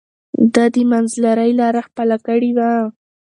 ده د منځلارۍ لار خپله کړې وه.